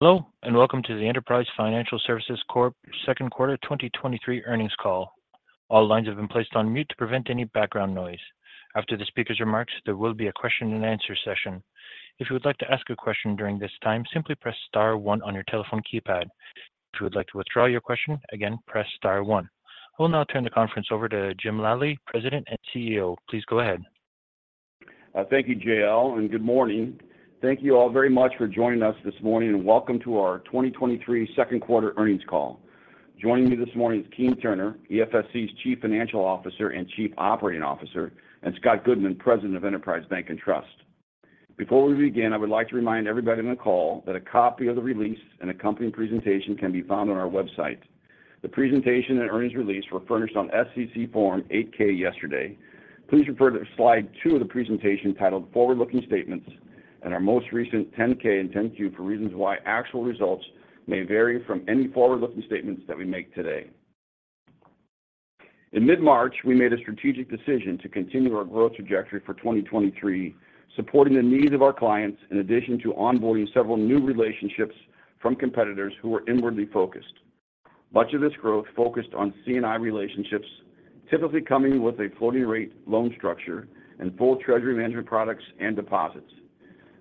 Hello, welcome to the Enterprise Financial Services Corp second quarter 2023 earnings call. All lines have been placed on mute to prevent any background noise. After the speaker's remarks, there will be a question and answer session. If you would like to ask a question during this time, simply press star one on your telephone keypad. If you would like to withdraw your question, again, press star one. I will now turn the conference over to Jim Lally, President and CEO. Please go ahead Thank you, Jayal, and good morning. Thank you all very much for joining us this morning, and welcome to our 2023 second quarter earnings call. Joining me this morning is Keene Turner, EFSC's Chief Financial Officer and Chief Operating Officer, and Scott Goodman, President of Enterprise Bank & Trust. Before we begin, I would like to remind everybody on the call that a copy of the release and accompanying presentation can be found on our website. The presentation and earnings release were furnished on SEC Form 8-K yesterday. Please refer to slide two of the presentation titled Forward-Looking Statements and our most recent 10-K and 10-Q for reasons why actual results may vary from any Forward-Looking Statements that we make today. In mid-March, we made a strategic decision to continue our growth trajectory for 2023, supporting the needs of our clients, in addition to onboarding several new relationships from competitors who were inwardly focused. Much of this growth focused on C&I relationships, typically coming with a floating rate loan structure and full treasury management products and deposits.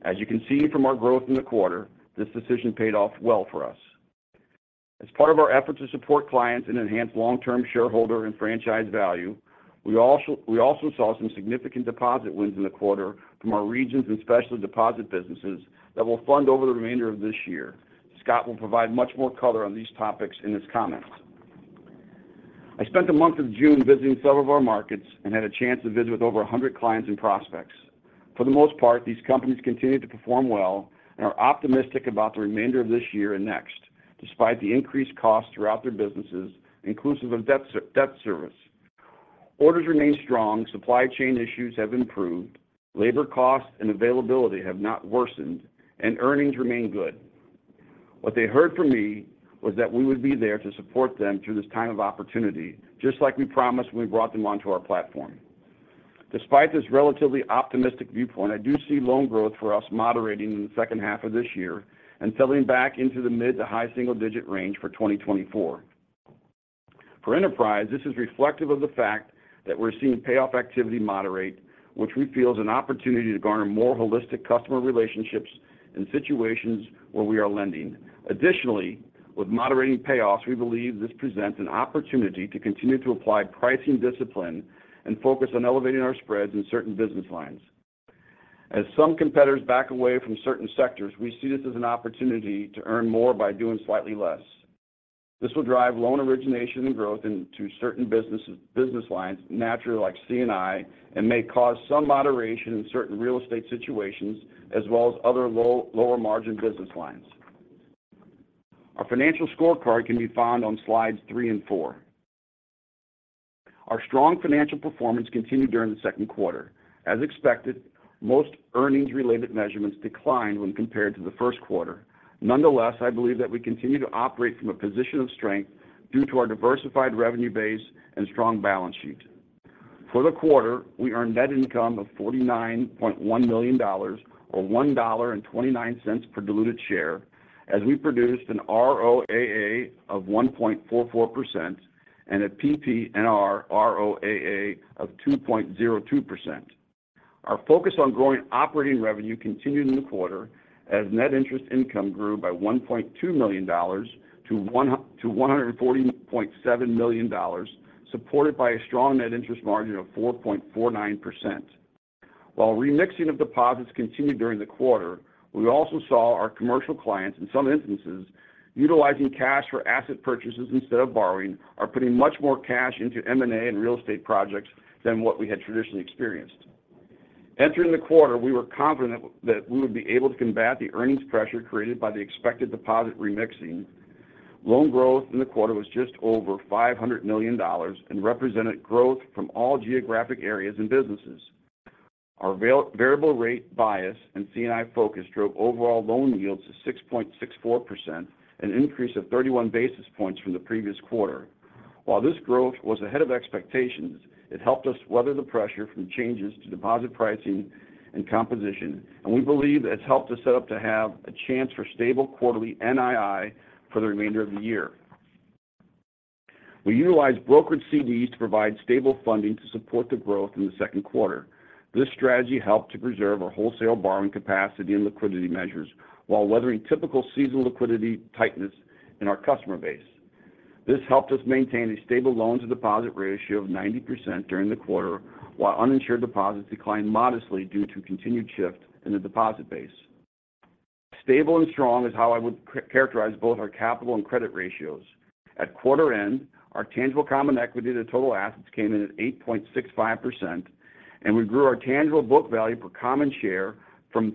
As you can see from our growth in the quarter, this decision paid off well for us. As part of our effort to support clients and enhance long-term shareholder and franchise value, we also saw some significant deposit wins in the quarter from our regions and specialty deposit businesses that will fund over the remainder of this year. Scott will provide much more color on these topics in his comments. I spent the month of June visiting several of our markets and had a chance to visit with over 100 clients and prospects. For the most part, these companies continued to perform well and are optimistic about the remainder of this year and next, despite the increased costs throughout their businesses, inclusive of debt service. Orders remain strong, supply chain issues have improved, labor costs and availability have not worsened, and earnings remain good. What they heard from me was that we would be there to support them through this time of opportunity, just like we promised when we brought them onto our platform. Despite this relatively optimistic viewpoint, I do see loan growth for us moderating in the second half of this year and settling back into the mid to high single-digit range for 2024. For Enterprise, this is reflective of the fact that we're seeing payoff activity moderate, which we feel is an opportunity to garner more holistic customer relationships in situations where we are lending. With moderating payoffs, we believe this presents an opportunity to continue to apply pricing discipline and focus on elevating our spreads in certain business lines. Some competitors back away from certain sectors, we see this as an opportunity to earn more by doing slightly less. This will drive loan origination and growth into certain business lines, naturally like C&I, and may cause some moderation in certain real estate situations, as well as other lower margin business lines. Our financial scorecard can be found on slides three and four. Our strong financial performance continued during the second quarter. As expected, most earnings-related measurements declined when compared to the first quarter. I believe that we continue to operate from a position of strength due to our diversified revenue base and strong balance sheet. For the quarter, we earned net income of $49.1 million or $1.29 per diluted share, as we produced an ROAA of 1.44% and a PPNR ROAA of 2.02%. Our focus on growing operating revenue continued in the quarter as net interest income grew by $1.2 million-$140.7 million, supported by a strong net interest margin of 4.49%. While remixing of deposits continued during the quarter, we also saw our commercial clients, in some instances, utilizing cash for asset purchases instead of borrowing, are putting much more cash into M&A and real estate projects than what we had traditionally experienced. Entering the quarter, we were confident that we would be able to combat the earnings pressure created by the expected deposit remixing. Loan growth in the quarter was just over $500 million and represented growth from all geographic areas and businesses. Our variable rate bias and C&I focus drove overall loan yields to 6.64%, an increase of 31 basis points from the previous quarter. While this growth was ahead of expectations, it helped us weather the pressure from changes to deposit pricing and composition, and we believe it's helped us set up to have a chance for stable quarterly NII for the remainder of the year. We utilized brokered CDs to provide stable funding to support the growth in the second quarter. This strategy helped to preserve our wholesale borrowing capacity and liquidity measures while weathering typical seasonal liquidity tightness in our customer base. This helped us maintain a stable loan-to-deposit ratio of 90% during the quarter, while uninsured deposits declined modestly due to continued shift in the deposit base. Stable and strong is how I would characterize both our capital and credit ratios. At quarter end, our tangible common equity to total assets came in at 8.65%. We grew our tangible book value per common share from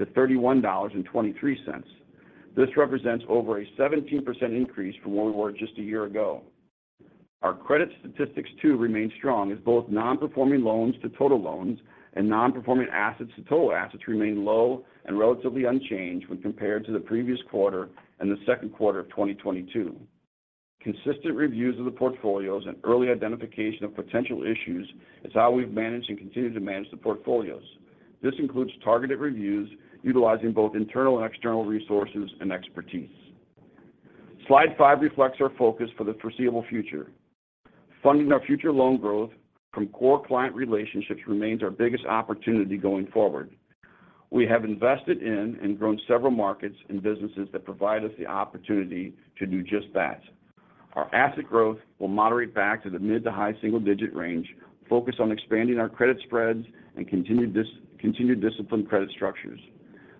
$30.55-$31.23. This represents over a 17% increase from where we were just a year ago. Our credit statistics, too, remained strong, as both non-performing loans to total loans and non-performing assets to total assets remained low and relatively unchanged when compared to the previous quarter and the second quarter of 2022. Consistent reviews of the portfolios and early identification of potential issues is how we've managed and continue to manage the portfolios. This includes targeted reviews, utilizing both internal and external resources and expertise. Slide five reflects our focus for the foreseeable future. Funding our future loan growth from core client relationships remains our biggest opportunity going forward. We have invested in and grown several markets and businesses that provide us the opportunity to do just that. Our asset growth will moderate back to the mid to high single-digit range, focused on expanding our credit spreads and continued disciplined credit structures.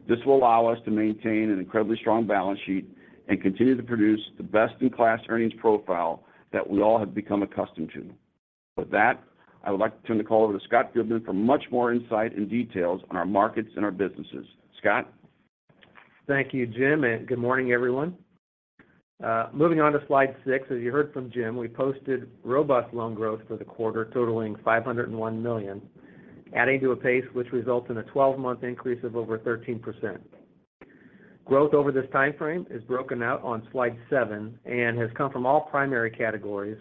This will allow us to maintain an incredibly strong balance sheet and continue to produce the best-in-class earnings profile that we all have become accustomed to. With that, I would like to turn the call over to Scott Goodman for much more insight and details on our markets and our businesses. Scott? Thank you, Jim. Good morning, everyone. Moving on to Slide six. As you heard from Jim, we posted robust loan growth for the quarter, totaling $501 million, adding to a pace which results in a 12-month increase of over 13%. Growth over this time frame is broken out on Slide seven and has come from all primary categories,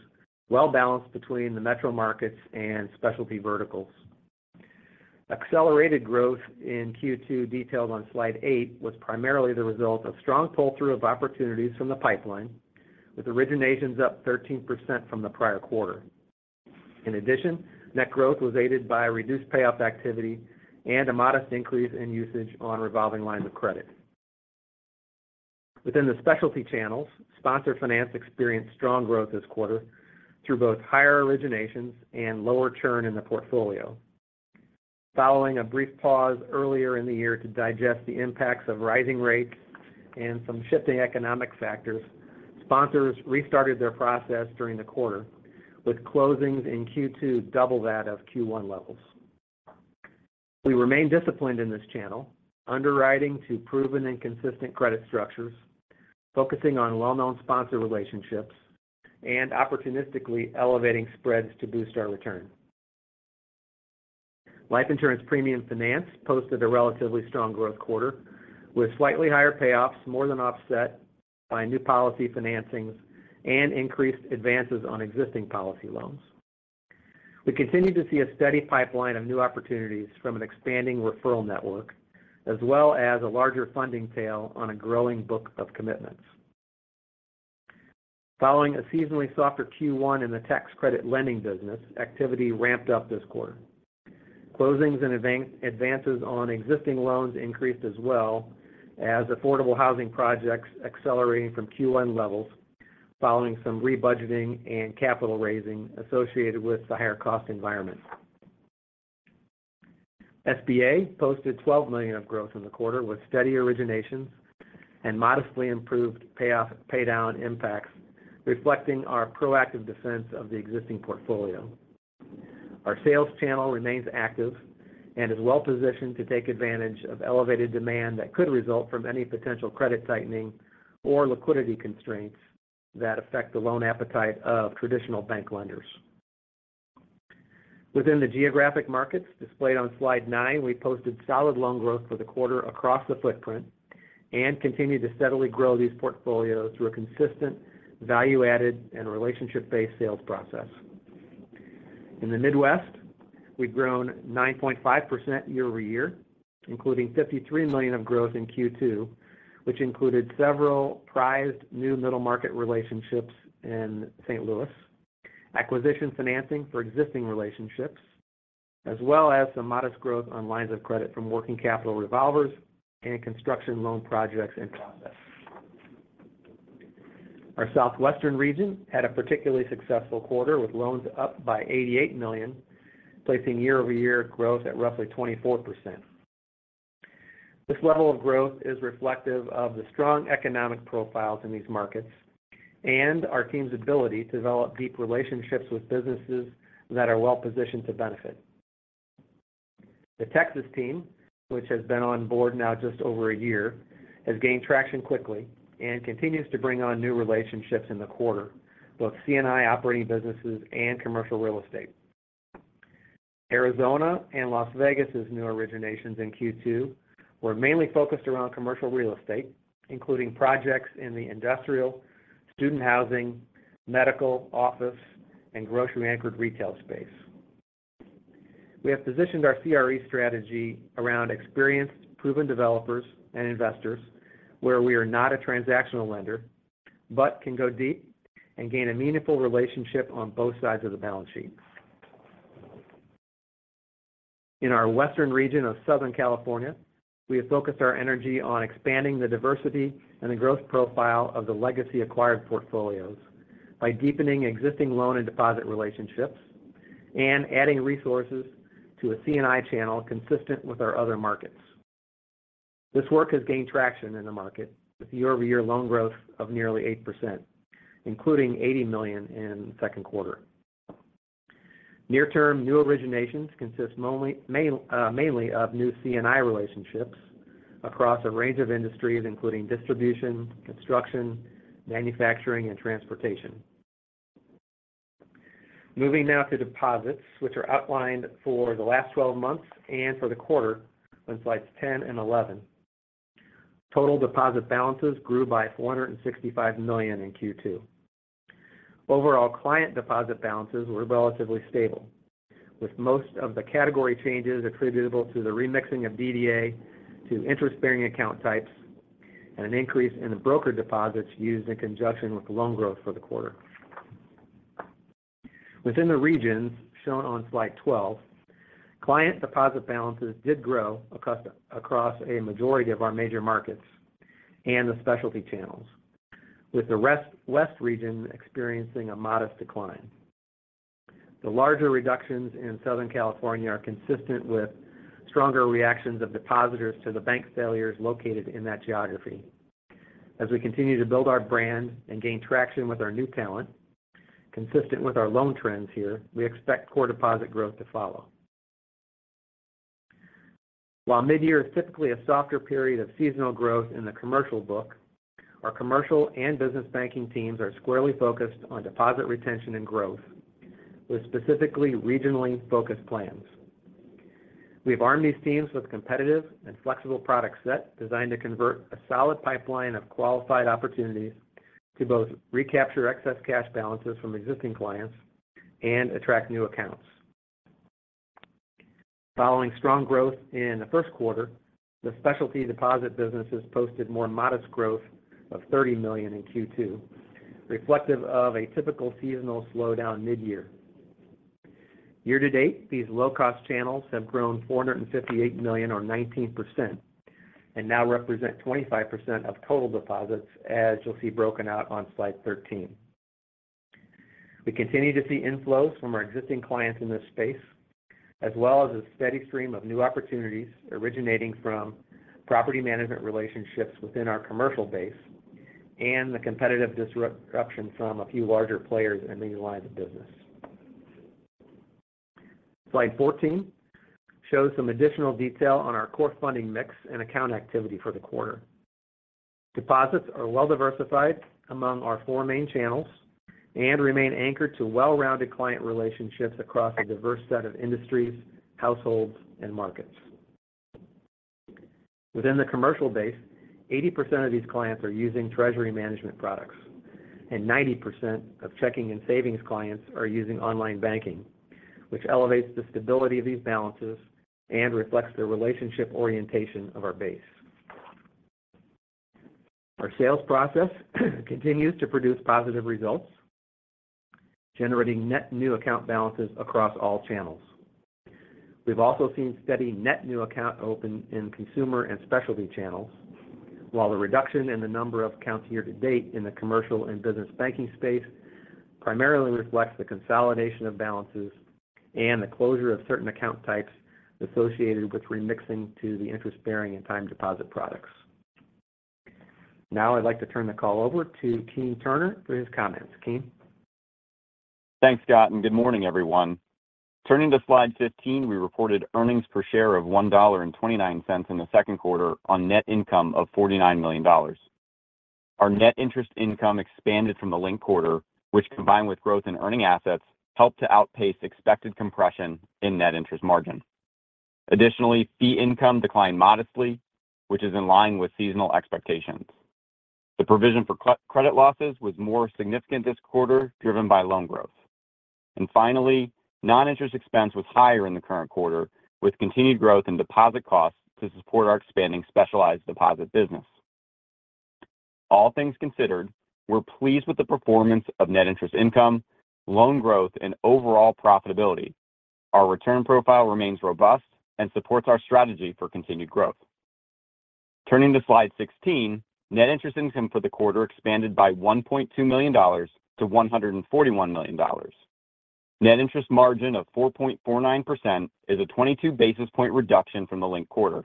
well balanced between the metro markets and specialty verticals. Accelerated growth in Q2, detailed on Slide eight, was primarily the result of strong pull-through of opportunities from the pipeline, with originations up 13% from the prior quarter. Net growth was aided by a reduced payoff activity and a modest increase in usage on revolving lines of credit. Within the specialty channels, Sponsor Finance experienced strong growth this quarter through both higher originations and lower churn in the portfolio. Following a brief pause earlier in the year to digest the impacts of rising rates and some shifting economic factors, sponsors restarted their process during the quarter, with closings in Q2 double that of Q1 levels. We remain disciplined in this channel, underwriting to proven and consistent credit structures, focusing on well-known sponsor relationships, and opportunistically elevating spreads to boost our return. Life Insurance Premium Finance posted a relatively strong growth quarter, with slightly higher payoffs more than offset by new policy financings and increased advances on existing policy loans. We continue to see a steady pipeline of new opportunities from an expanding referral network, as well as a larger funding tail on a growing book of commitments. Following a seasonally softer Q1 in the tax credit lending business, activity ramped up this quarter. Closings and advances on existing loans increased as well as affordable housing projects accelerating from Q1 levels, following some rebudgeting and capital raising associated with the higher cost environment. SBA posted $12 million of growth in the quarter, with steady originations and modestly improved pay down impacts, reflecting our proactive defense of the existing portfolio. Our sales channel remains active and is well positioned to take advantage of elevated demand that could result from any potential credit tightening or liquidity constraints that affect the loan appetite of traditional bank lenders. Within the geographic markets displayed on Slide nine, we posted solid loan growth for the quarter across the footprint and continued to steadily grow these portfolios through a consistent, value-added, and relationship-based sales process. In the Midwest, we've grown 9.5% year-over-year, including $53 million of growth in Q2, which included several prized new middle-market relationships in St. Louis, acquisition financing for existing relationships, as well as some modest growth on lines of credit from working capital revolvers and construction loan projects in process. Our Southwestern region had a particularly successful quarter, with loans up by $88 million, placing year-over-year growth at roughly 24%. This level of growth is reflective of the strong economic profiles in these markets and our team's ability to develop deep relationships with businesses that are well positioned to benefit. The Texas team, which has been on board now just over a year, has gained traction quickly and continues to bring on new relationships in the quarter, both C&I operating businesses and commercial real estate. Arizona and Las Vegas's new originations in Q2 were mainly focused around commercial real estate, including projects in the industrial, student housing, medical, office, and grocery-anchored retail space. We have positioned our CRE strategy around experienced, proven developers and investors, where we are not a transactional lender, but can go deep and gain a meaningful relationship on both sides of the balance sheet. In our Western region of Southern California, we have focused our energy on expanding the diversity and the growth profile of the legacy acquired portfolios by deepening existing loan and deposit relationships and adding resources to a C&I channel consistent with our other markets. This work has gained traction in the market, with year-over-year loan growth of nearly 8%, including $80 million in the second quarter. Near-term new originations consist mainly of new C&I relationships across a range of industries, including distribution, construction, manufacturing, and transportation. Moving now to deposits, which are outlined for the last 12 months and for the quarter on slides 10 and 11. Total deposit balances grew by $465 million in Q2. Overall, client deposit balances were relatively stable, with most of the category changes attributable to the remixing of DDA to interest-bearing account types and an increase in the brokered deposits used in conjunction with the loan growth for the quarter. Within the regions shown on slide 12, client deposit balances did grow across a majority of our major markets and the specialty channels, with the west region experiencing a modest decline. The larger reductions in Southern California are consistent with stronger reactions of depositors to the bank failures located in that geography. As we continue to build our brand and gain traction with our new talent, consistent with our loan trends here, we expect core deposit growth to follow. While mid-year is typically a softer period of seasonal growth in the commercial book, our commercial and business banking teams are squarely focused on deposit retention and growth, with specifically regionally focused plans. We've armed these teams with competitive and flexible product set, designed to convert a solid pipeline of qualified opportunities to both recapture excess cash balances from existing clients and attract new accounts. Following strong growth in the first quarter, the specialty deposit businesses posted more modest growth of $30 million in Q2, reflective of a typical seasonal slowdown mid-year. Year to date, these low-cost channels have grown $458 million, or 19%, and now represent 25% of total deposits, as you'll see broken out on slide 13. We continue to see inflows from our existing clients in this space, as well as a steady stream of new opportunities originating from property management relationships within our commercial base and the competitive disruption from a few larger players in these lines of business. Slide 14 shows some additional detail on our core funding mix and account activity for the quarter. Deposits are well diversified among our four main channels and remain anchored to well-rounded client relationships across a diverse set of industries, households, and markets. Within the commercial base, 80% of these clients are using treasury management products, and 90% of checking and savings clients are using online banking, which elevates the stability of these balances and reflects the relationship orientation of our base. Our sales process continues to produce positive results, generating net new account balances across all channels. We've also seen steady net new account open in consumer and specialty channels, while the reduction in the number of accounts year to date in the commercial and business banking space primarily reflects the consolidation of balances and the closure of certain account types associated with remixing to the interest-bearing and time deposit products. Now, I'd like to turn the call over to Keene Turner for his comments. Keene? Thanks, Scott. Good morning, everyone. Turning to slide 15, we reported earnings per share of $1.29 in the second quarter on net income of $49 million. Our net interest income expanded from the linked quarter, which, combined with growth in earning assets, helped to outpace expected compression in net interest margin. Additionally, fee income declined modestly, which is in line with seasonal expectations. The provision for credit losses was more significant this quarter, driven by loan growth. Finally, noninterest expense was higher in the current quarter, with continued growth in deposit costs to support our expanding specialized deposit business. All things considered, we're pleased with the performance of net interest income, loan growth, and overall profitability. Our return profile remains robust and supports our strategy for continued growth. Turning to slide 16, net interest income for the quarter expanded by $1.2 million to $141 million. Net interest margin of 4.49% is a 22 basis point reduction from the linked quarter.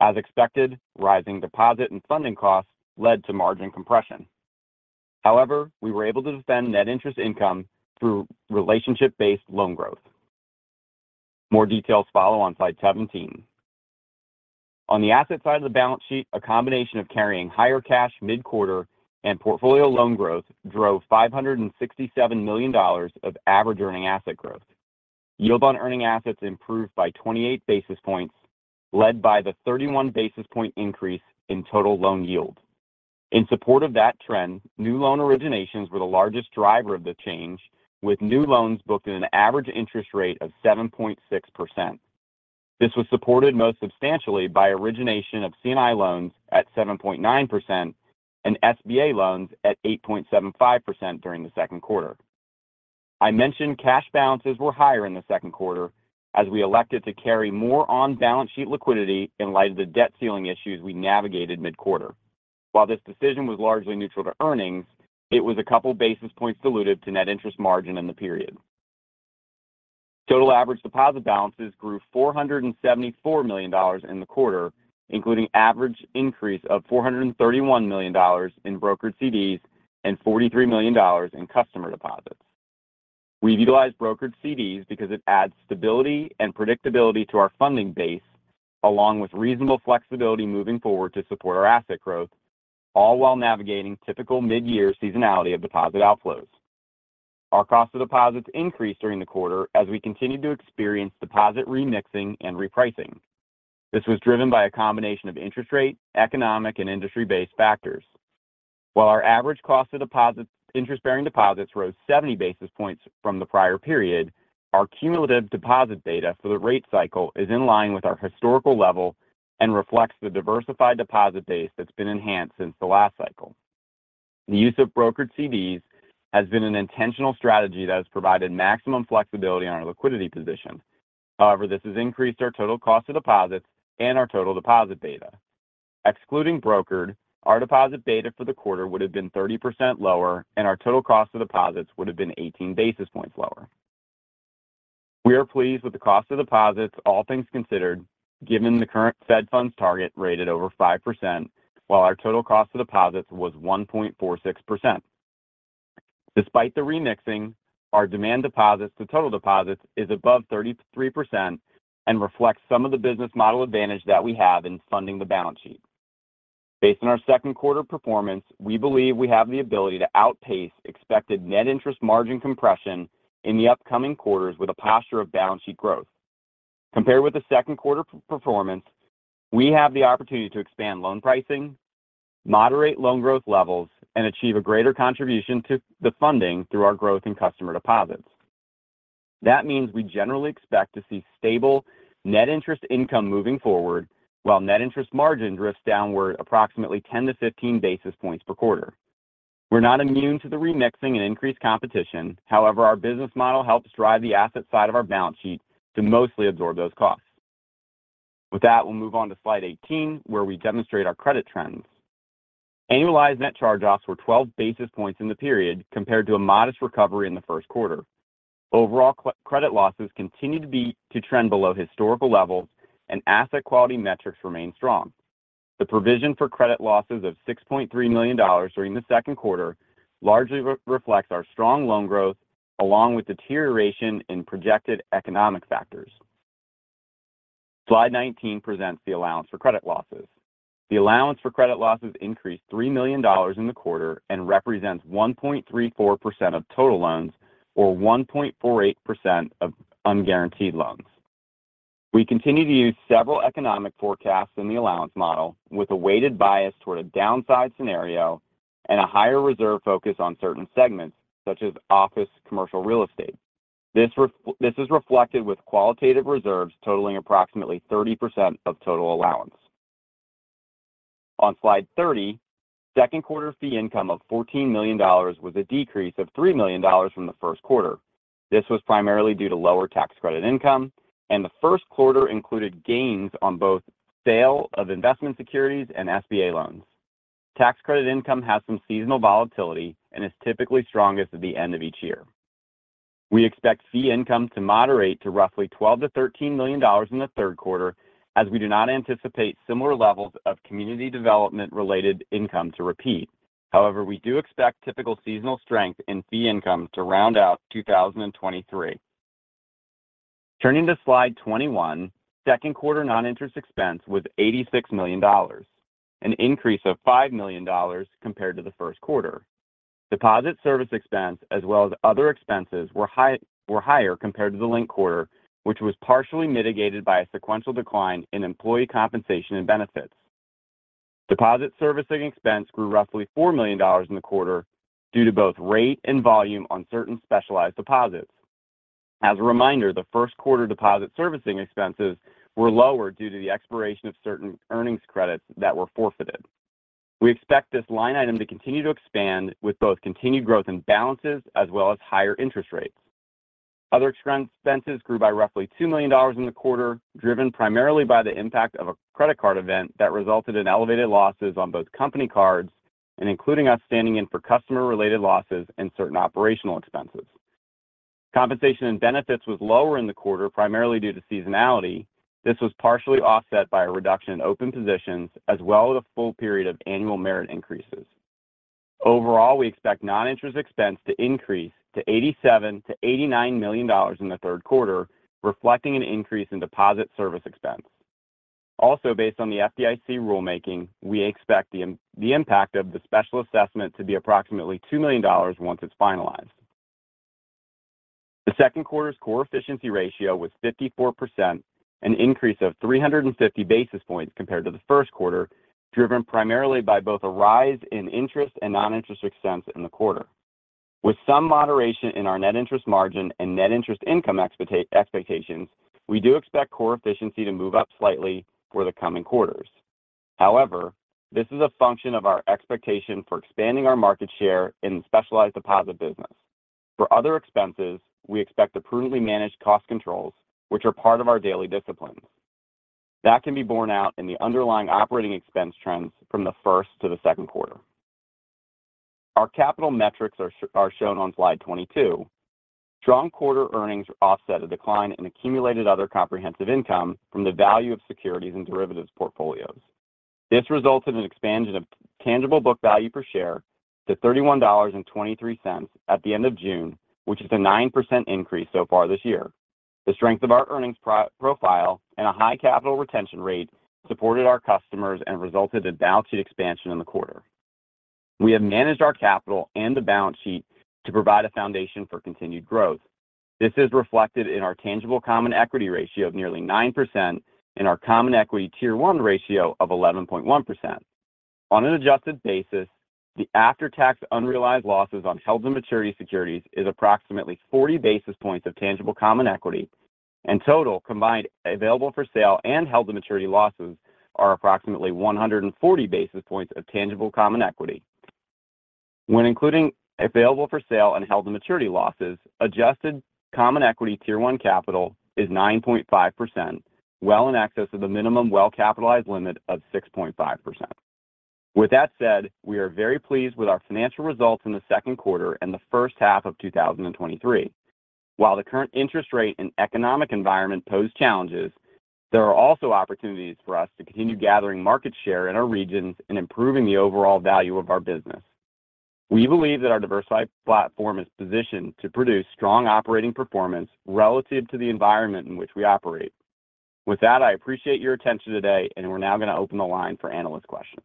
As expected, rising deposit and funding costs led to margin compression. However, we were able to defend net interest income through relationship-based loan growth. More details follow on slide 17. On the asset side of the balance sheet, a combination of carrying higher cash mid-quarter and portfolio loan growth drove $567 million of average earning asset growth. Yield on earning assets improved by 28 basis points, led by the 31 basis point increase in total loan yield. In support of that trend, new loan originations were the largest driver of the change, with new loans booked at an average interest rate of 7.6%. This was supported most substantially by origination of C&I loans at 7.9% and SBA loans at 8.75% during the second quarter. I mentioned cash balances were higher in the second quarter, as we elected to carry more on-balance sheet liquidity in light of the debt ceiling issues we navigated mid-quarter. While this decision was largely neutral to earnings, it was a couple basis points dilutive to net interest margin in the period. Total average deposit balances grew $474 million in the quarter, including average increase of $431 million in brokered CDs and $43 million in customer deposits. We've utilized brokered CDs because it adds stability and predictability to our funding base, along with reasonable flexibility moving forward to support our asset growth. All while navigating typical mid-year seasonality of deposit outflows. Our cost of deposits increased during the quarter as we continued to experience deposit remixing and repricing. This was driven by a combination of interest rate, economic, and industry-based factors. While our average cost of deposits, interest-bearing deposits rose 70 basis points from the prior period, our cumulative deposit data for the rate cycle is in line with our historical level and reflects the diversified deposit base that's been enhanced since the last cycle. The use of brokered CDs has been an intentional strategy that has provided maximum flexibility on our liquidity position. This has increased our total cost of deposits and our total deposit beta. Excluding brokered, our deposit beta for the quarter would have been 30% lower, and our total cost of deposits would have been 18 basis points lower. We are pleased with the cost of deposits, all things considered, given the current Fed Funds target rate at over 5%, while our total cost of deposits was 1.46%. Despite the remixing, our demand deposits to total deposits is above 33% and reflects some of the business model advantage that we have in funding the balance sheet. Based on our second quarter performance, we believe we have the ability to outpace expected net interest margin compression in the upcoming quarters with a posture of balance sheet growth. Compared with the second quarter performance, we have the opportunity to expand loan pricing, moderate loan growth levels, and achieve a greater contribution to the funding through our growth in customer deposits. We generally expect to see stable net interest income moving forward, while net interest margin drifts downward approximately 10-15 basis points per quarter. We're not immune to the remixing and increased competition. Our business model helps drive the asset side of our balance sheet to mostly absorb those costs. With that, we'll move on to slide 18, where we demonstrate our credit trends. Annualized net charge-offs were 12 basis points in the period, compared to a modest recovery in the first quarter. Overall, credit losses continue to trend below historical levels and asset quality metrics remain strong. The provision for credit losses of $6.3 million during the second quarter largely reflects our strong loan growth, along with deterioration in projected economic factors. Slide 19 presents the allowance for credit losses. The allowance for credit losses increased $3 million in the quarter and represents 1.34% of total loans, or 1.48% of unguaranteed loans. We continue to use several economic forecasts in the allowance model, with a weighted bias toward a downside scenario and a higher reserve focus on certain segments, such as office, commercial real estate. This is reflected with qualitative reserves totaling approximately 30% of total allowance. Slide 30, second quarter fee income of $14 million was a decrease of $3 million from the first quarter. This was primarily due to lower tax credit income. The first quarter included gains on both sale of investment securities and SBA loans. Tax credit income has some seasonal volatility and is typically strongest at the end of each year. We expect fee income to moderate to roughly $12 million-$13 million in the third quarter, as we do not anticipate similar levels of community development-related income to repeat. However, we do expect typical seasonal strength in fee income to round out 2023. Turning to slide 21, second quarter non-interest expense was $86 million, an increase of $5 million compared to the first quarter. Deposit service expense, as well as other expenses, were higher compared to the linked quarter, which was partially mitigated by a sequential decline in employee compensation and benefits. Deposit servicing expense grew roughly $4 million in the quarter due to both rate and volume on certain specialized deposits. As a reminder, the first quarter deposit servicing expenses were lower due to the expiration of certain earnings credits that were forfeited. We expect this line item to continue to expand with both continued growth in balances as well as higher interest rates. Other expenses grew by roughly $2 million in the quarter, driven primarily by the impact of a credit card event that resulted in elevated losses on both company cards and including us standing in for customer-related losses and certain operational expenses. Compensation and benefits was lower in the quarter, primarily due to seasonality. This was partially offset by a reduction in open positions, as well as a full period of annual merit increases. Overall, we expect non-interest expense to increase to $87 million-$89 million in the third quarter, reflecting an increase in deposit service expense. Based on the FDIC rulemaking, we expect the impact of the special assessment to be approximately $2 million once it's finalized. The second quarter's core efficiency ratio was 54%, an increase of 350 basis points compared to the first quarter, driven primarily by both a rise in interest and non-interest expense in the quarter. With some moderation in our net interest margin and net interest income expectations, we do expect core efficiency to move up slightly for the coming quarters. This is a function of our expectation for expanding our market share in the specialized deposit business. For other expenses, we expect to prudently manage cost controls, which are part of our daily disciplines. That can be borne out in the underlying operating expense trends from the first to the second quarter. Our capital metrics are shown on slide 22. Strong quarter earnings offset a decline in accumulated other comprehensive income from the value of securities and derivatives portfolios. This results in an expansion of tangible book value per share to $31.23 at the end of June, which is a 9% increase so far this year. The strength of our earnings profile and a high capital retention rate supported our customers and resulted in balance sheet expansion in the quarter. We have managed our capital and the balance sheet to provide a foundation for continued growth. This is reflected in our tangible common equity ratio of nearly 9% and our common equity Tier1 ratio of 11.1%. On an adjusted basis, the after-tax unrealized losses on held-to-maturity securities is approximately 40 basis points of tangible common equity, and total combined available-for-sale and held-to-maturity losses are approximately 140 basis points of tangible common equity. When including available-for-sale and held-to-maturity losses, adjusted common equity Tier 1 capital is 9.5%, well in excess of the minimum well-capitalized limit of 6.5%. With that said, we are very pleased with our financial results in the second quarter and the first half of 2023. While the current interest rate and economic environment pose challenges, there are also opportunities for us to continue gathering market share in our regions and improving the overall value of our business. We believe that our diversified platform is positioned to produce strong operating performance relative to the environment in which we operate. With that, I appreciate your attention today, and we're now going to open the line for analyst questions.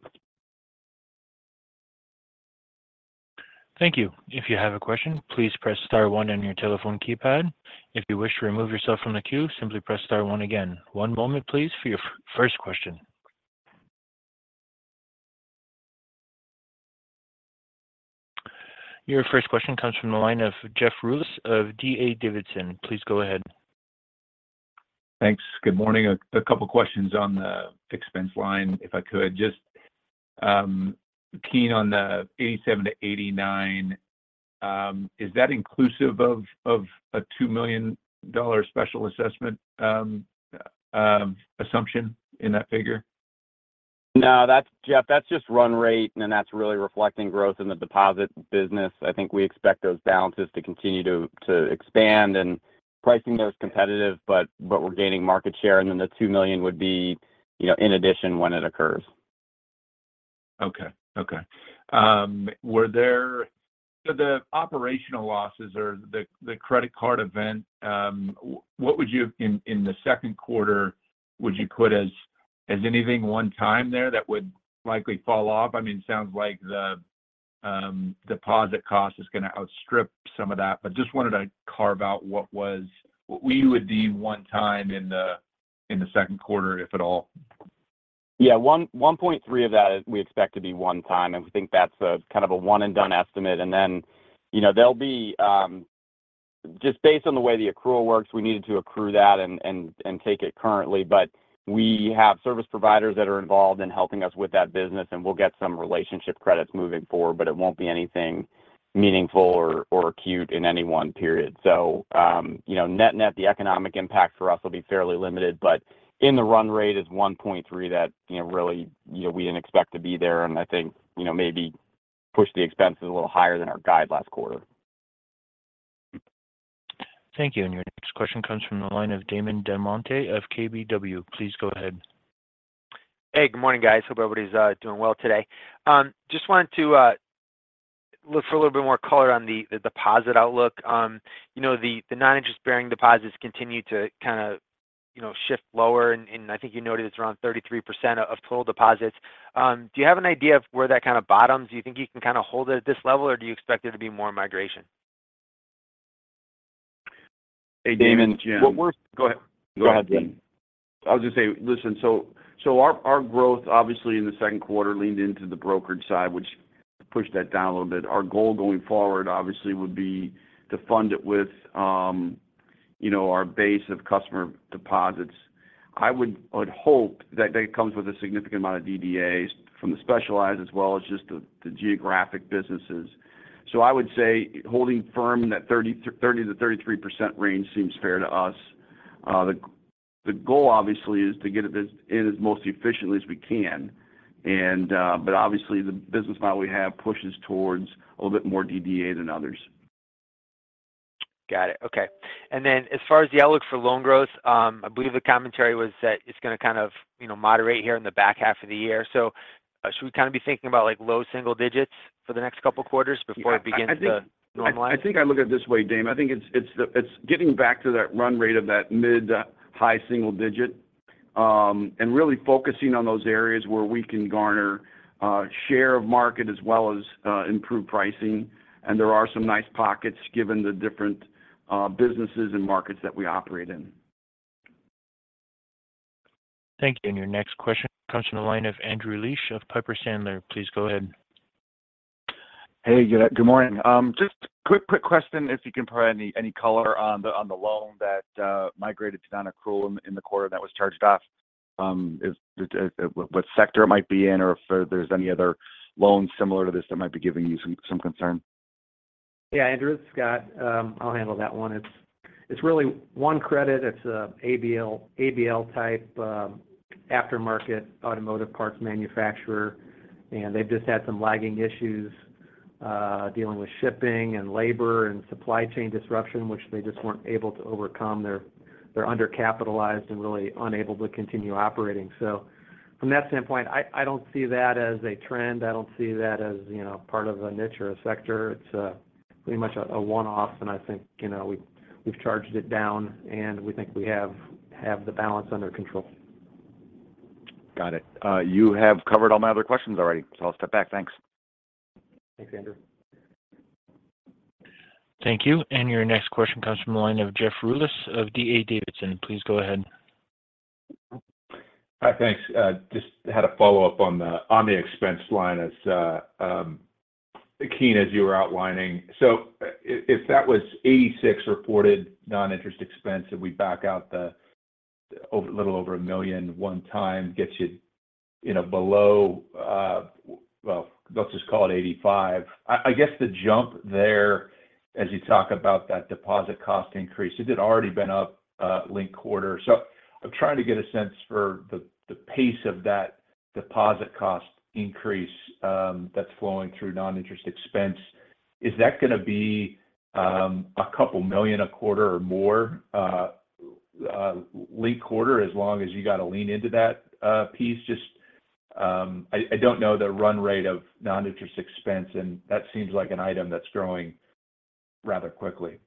Thank you. If you have a question, please press star one on your telephone keypad. If you wish to remove yourself from the queue, simply press star one again. One moment, please, for your first question. Your first question comes from the line of Jeff Rulis of D.A. Davidson. Please go ahead. Thanks. Good morning. A couple questions on the expense line, if I could. Just, Keene, on the $87 million-$89 million, is that inclusive of a $2 million special assessment assumption in that figure? No, that's Jeff, that's just run rate, and then that's really reflecting growth in the deposit business. I think we expect those balances to continue to expand and pricing those competitive, but we're gaining market share, and then the $2 million would be, you know, in addition when it occurs. Okay. Okay. The operational losses or the credit card event, what would you have in the second quarter, would you put as anything one time there that would likely fall off? I mean, it sounds like the deposit cost is going to outstrip some of that, just wanted to carve out what we would deem one time in the second quarter, if at all. Yeah. $1.3 of that we expect to be one time. We think that's a kind of a one-and-done estimate. You know, there'll be just based on the way the accrual works, we needed to accrue that and take it currently. We have service providers that are involved in helping us with that business, and we'll get some relationship credits moving forward, but it won't be anything meaningful or acute in any one period. You know, net-net, the economic impact for us will be fairly limited, but in the run rate is $1.3 that, you know, really, you know, we didn't expect to be there, and I think, you know, maybe pushed the expenses a little higher than our guide last quarter. Thank you. Your next question comes from the line of Damon DelMonte of KBW. Please go ahead. Hey, good morning, guys. Hope everybody's doing well today. Just wanted to look for a little bit more color on the deposit outlook. You know, the non-interest bearing deposits continue to kind of, you know, shift lower, and I think you noted it's around 33% of total deposits. Do you have an idea of where that kind of bottoms? Do you think you can kind of hold it at this level, or do you expect there to be more migration? Hey, Damon. Damon, what we're-. Go ahead. Go ahead, Dan. I'll just say, listen, our growth, obviously, in the second quarter leaned into the brokerage side, which pushed that down a little bit. Our goal going forward, obviously, would be to fund it with, you know, our base of customer deposits. I would hope that that comes with a significant amount of DDA from the specialized as well as just the geographic businesses. I would say holding firm that 30%-33% range seems fair to us. The goal, obviously, is to get it as most efficiently as we can. But obviously, the business model we have pushes towards a little bit more DDA than others. Got it. Okay. As far as the outlook for loan growth, I believe the commentary was that it's going to kind of, you know, moderate here in the back half of the year. Should we kind of be thinking about, like, low single digits for the next couple of quarters before it begins to normalize? I think I look at it this way, Damon. I think it's getting back to that run rate of that mid to high single digit, and really focusing on those areas where we can garner share of market as well as improve pricing. There are some nice pockets, given the different businesses and markets that we operate in. Thank you. Your next question comes from the line of Andrew Liesch of Piper Sandler. Please go ahead. Hey, good morning. Just quick question, if you can provide any color on the loan that migrated to non-accrual in the quarter that was charged off, what sector it might be in or if there's any other loans similar to this that might be giving you some concern? Yeah, Andrew, it's Scott. I'll handle that one. It's really one credit. It's a ABL type aftermarket automotive parts manufacturer, and they've just had some lagging issues dealing with shipping and labor and supply chain disruption, which they just weren't able to overcome. They're undercapitalized and really unable to continue operating. From that standpoint, I don't see that as a trend. I don't see that as, you know, part of a niche or a sector. It's a pretty much a one-off, and I think, you know, we've charged it down, and we think we have the balance under control. Got it. You have covered all my other questions already, I'll step back. Thanks. Thanks, Andrew. Thank you. Your next question comes from the line of Jeff Rulis of D.A. Davidson. Please go ahead. Hi, thanks. Just had a follow-up on the, on the expense line as Keene, as you were outlining. If that was $86 reported non-interest expense, and we back out the little over $1 million one-time, gets you know, below, let's just call it $85. I guess the jump there, as you talk about that deposit cost increase, it had already been up linked quarter. I'm trying to get a sense for the pace of that deposit cost increase that's flowing through non-interest expense. Is that going to be a couple million a quarter or more linked quarter, as long as you got to lean into that piece? I don't know the run rate of non-interest expense, and that seems like an item that's growing rather quickly.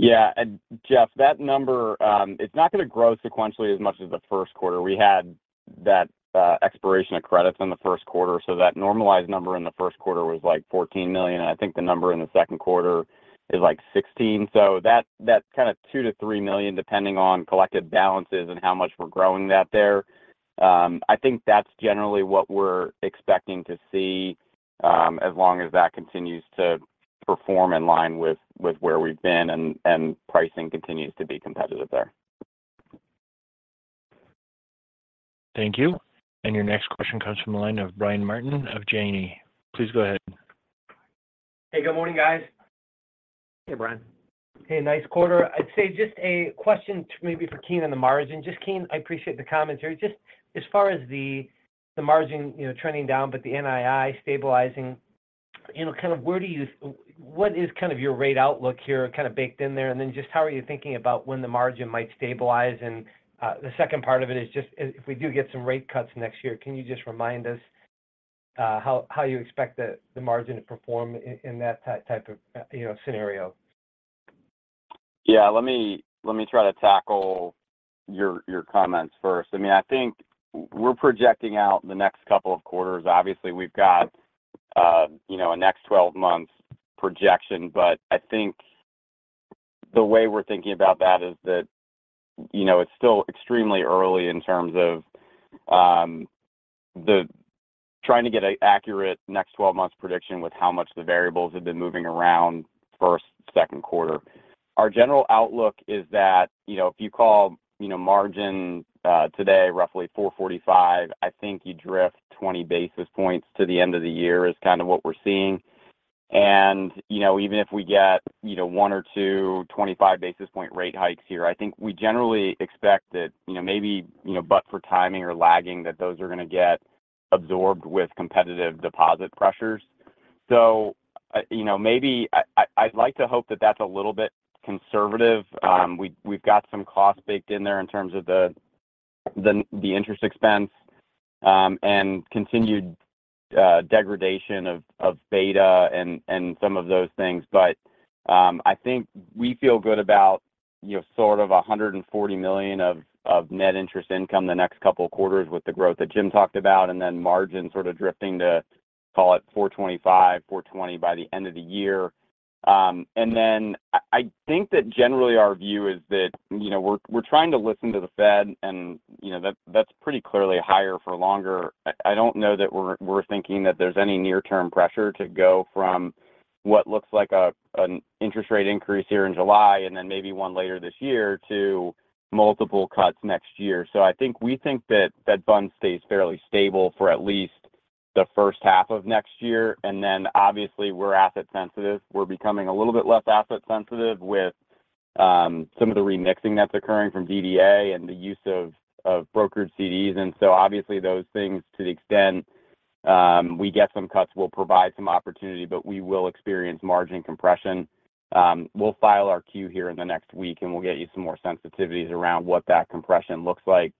Jeff, that number, it's not going to grow sequentially as much as the first quarter. We had that expiration of credits in the first quarter, that normalized number in the first quarter was, like, $14 million. I think the number in the second quarter is, like, $16 million. That's kind of $2 million-$3 million, depending on collected balances and how much we're growing that there. I think that's generally what we're expecting to see, as long as that continues to perform in line with where we've been and pricing continues to be competitive there. Thank you. Your next question comes from the line of Brian Martin of Janney. Please go ahead. Hey, good morning, guys. Hey, Brian. Hey, nice quarter. I'd say just a question maybe for Keene on the margin. Just Keene, I appreciate the commentary. Just as far as the margin, you know, trending down, but the NII stabilizing, you know, kind of where do you what is kind of your rate outlook here, kind of, baked in there? Then just how are you thinking about when the margin might stabilize? The second part of it is just if we do get some rate cuts next year, can you just remind us how you expect the margin to perform in that type of, you know, scenario? Yeah, let me try to tackle your comments first. I mean, I think we're projecting out the next couple of quarters. Obviously, we've got, you know, a next-12-months projection, but I think the way we're thinking about that is that, you know, it's still extremely early in terms of trying to get a accurate next-12-months prediction with how much the variables have been moving around first, second quarter. Our general outlook is that, you know, if you call, you know, margin today roughly 4.45, I think you drift 20 basis points to the end of the year, is kind of what we're seeing. You know, even if we get, you know, one or two 25 basis point rate hikes here, I think we generally expect that, you know, maybe, you know, but for timing or lagging, that those are going to get absorbed with competitive deposit pressures. You know, maybe I'd like to hope that that's a little bit conservative. We've got some costs baked in there in terms of the interest expense and continued degradation of beta and some of those things. I think we feel good about, you know, sort of $140 million of net interest income the next couple of quarters with the growth that Jim talked about, and then margin sort of drifting to, call it, 4.25%, 4.20% by the end of the year. Then I think that generally our view is that, you know, we're trying to listen to the Fed, and, you know, that's pretty clearly higher for longer. I don't know that we're thinking that there's any near-term pressure to go from what looks like a, an interest rate increase here in July and then maybe one later this year, to multiple cuts next year. I think we think that that fund stays fairly stable for at least the first half of next year. Then, obviously, we're asset sensitive. We're becoming a little bit less asset sensitive with some of the remixing that's occurring from DDA and the use of brokered CDs. Obviously, those things, to the extent, we get some cuts, will provide some opportunity, but we will experience margin compression. We'll file our 10-Q here in the next week, and we'll get you some more sensitivities around what that compression looks like.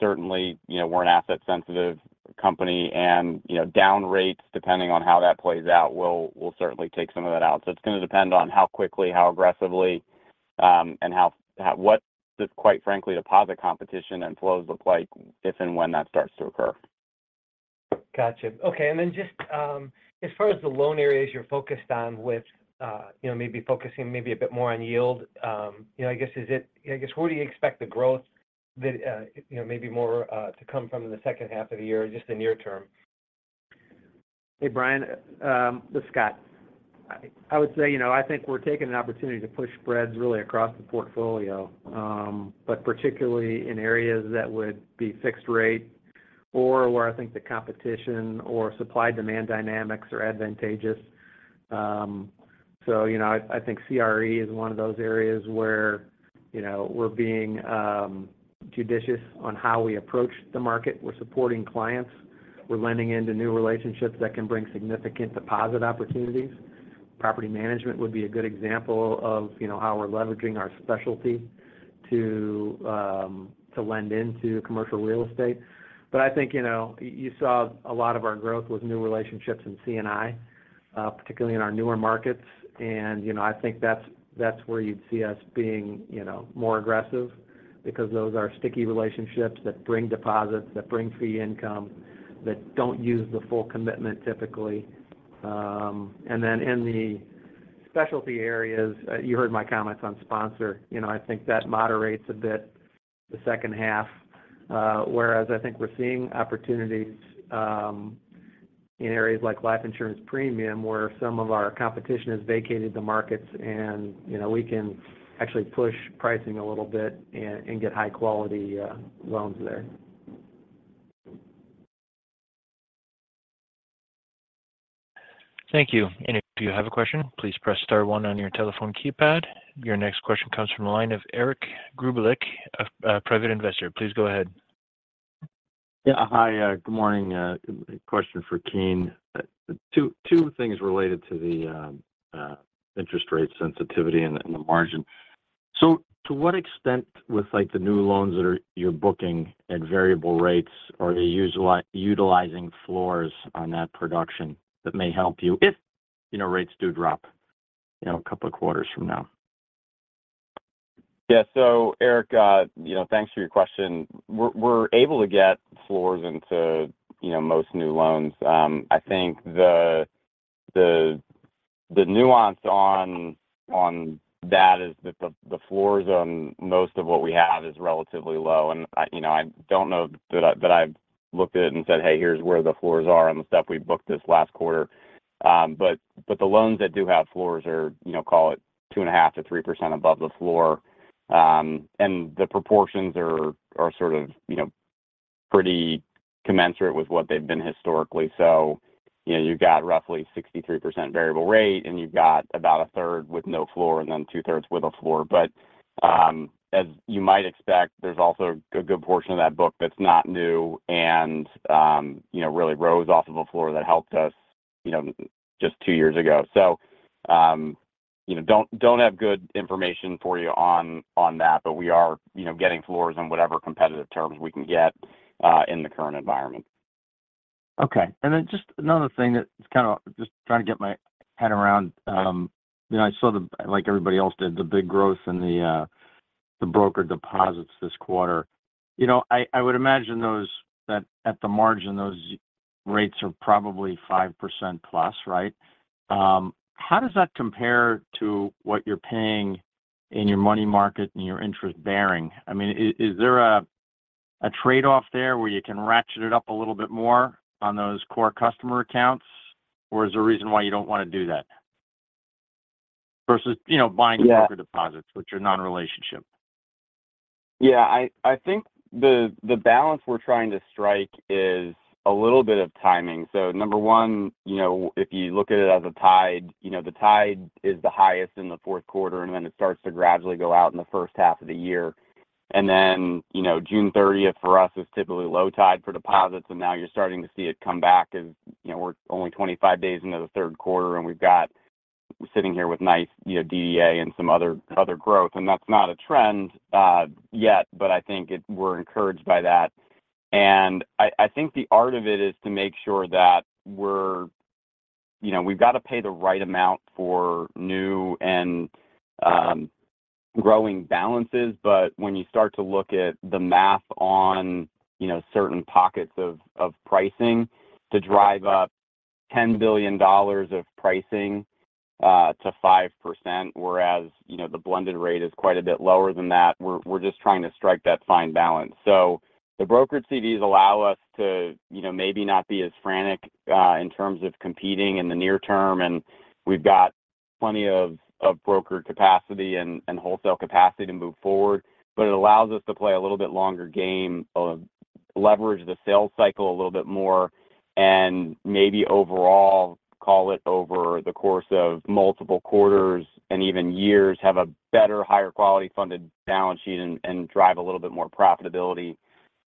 Certainly, you know, we're an asset-sensitive company and, you know, down rates, depending on how that plays out, will certainly take some of that out. It's going to depend on how quickly, how aggressively, and what does, quite frankly, deposit competition and flows look like if and when that starts to occur? Gotcha. Okay. Then just, as far as the loan areas you're focused on with, you know, maybe focusing maybe a bit more on yield, you know, I guess, where do you expect the growth that, you know, maybe more to come from in the second half of the year or just the near term? Hey, Brian, this is Scott. I would say, you know, I think we're taking an opportunity to push spreads really across the portfolio, but particularly in areas that would be fixed rate or where I think the competition or supply-demand dynamics are advantageous. You know, I think CRE is one of those areas where, you know, we're being judicious on how we approach the market. We're supporting clients. We're lending into new relationships that can bring significant deposit opportunities. Property management would be a good example of, you know, how we're leveraging our specialty to lend into commercial real estate. I think, you know, you saw a lot of our growth with new relationships in C&I, particularly in our newer markets. You know, I think that's where you'd see us being, you know, more aggressive because those are sticky relationships that bring deposits, that bring fee income, that don't use the full commitment, typically. In the specialty areas, you heard my comments on sponsor. You know, I think that moderates a bit the second half, whereas I think we're seeing opportunities, in areas like life insurance premium, where some of our competition has vacated the markets and, you know, we can actually push pricing a little bit and get high-quality loans there. Thank you. If you have a question, please press star one on your telephone keypad. Your next question comes from the line of Erik Grubelich of Private Investor. Please go ahead. Yeah. Hi, good morning. A question for Keene. Two things related to the interest rate sensitivity and the margin. To what extent, with, like, the new loans that you're booking at variable rates, are they utilizing floors on that production that may help you if, you know, rates do drop, you know, a couple of quarters from now? Yeah. So Eric Grubelich, you know, thanks for your question. We're able to get floors into, you know, most new loans. I think the nuance on that is that the floors on most of what we have is relatively low. And I, you know, I don't know that I've looked at it and said, "Hey, here's where the floors are on the stuff we booked this last quarter." But the loans that do have floors are, you know, call it 2.5%-3% above the floor. And the proportions are sort of, you know, pretty commensurate with what they've been historically. You know, you've got roughly 63% variable rate, and you've got about a third with no floor and then two-thirds with a floor. As you might expect, there's also a good portion of that book that's not new and, you know, really rose off of a floor that helped us, you know, just two years ago. You know, don't have good information for you on that, but we are, you know, getting floors on whatever competitive terms we can get in the current environment. Okay. Just another thing that I'm kind of just trying to get my head around. You know, I saw the, like everybody else did, the big growth in the broker deposits this quarter. You know, I would imagine those, that at the margin, those rates are probably 5% plus, right? How does that compare to what you're paying in your money market and your interest bearing? I mean, is there a trade-off there, where you can ratchet it up a little bit more on those core customer accounts? Or is there a reason why you don't want to do that versus, you know, buying- Yeah... broker deposits, which are non-relationship? Yeah, I think the balance we're trying to strike is a little bit of timing. number one, you know, if you look at it as a tide, you know, the tide is the highest in the fourth quarter, it starts to gradually go out in the first half of the year. you know, June 30th for us is typically low tide for deposits, you're starting to see it come back. you know, we're only 25 days into the third quarter, sitting here with nice, you know, DDA and some other growth. That's not a trend yet, but I think we're encouraged by that. I think the art of it is to make sure that we're. You know, we've got to pay the right amount for new and growing balances. When you start to look at the math on, you know, certain pockets of pricing, to drive up $10 billion of pricing, to 5%, whereas, you know, the blended rate is quite a bit lower than that, we're just trying to strike that fine balance. The brokered CDs allow us to, you know, maybe not be as frantic, in terms of competing in the near term, and we've got plenty of broker capacity and wholesale capacity to move forward. It allows us to play a little bit longer game of leverage the sales cycle a little bit more, and maybe overall, call it over the course of multiple quarters and even years, have a better, higher quality funded balance sheet and drive a little bit more profitability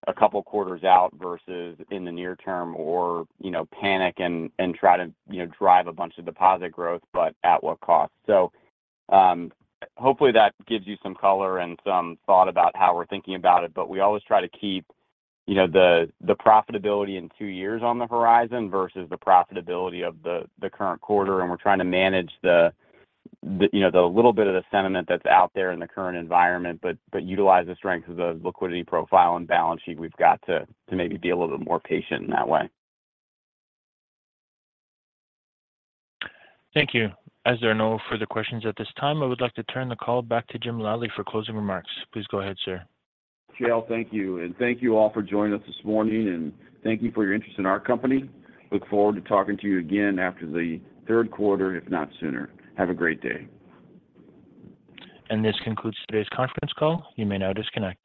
a couple quarters out versus in the near term, or, you know, panic and try to, you know, drive a bunch of deposit growth, but at what cost? Hopefully, that gives you some color and some thought about how we're thinking about it. We always try to keep, you know, the profitability in 2 years on the horizon versus the profitability of the current quarter, and we're trying to manage the, you know, the little bit of the sentiment that's out there in the current environment, but utilize the strength of the liquidity profile and balance sheet we've got to maybe be a little bit more patient in that way. Thank you. As there are no further questions at this time, I would like to turn the call back to Jim Lally for closing remarks. Please go ahead, sir. Jayal, thank you. Thank you all for joining us this morning, and thank you for your interest in our company. Look forward to talking to you again after the third quarter, if not sooner. Have a great day. This concludes today's conference call. You may now disconnect.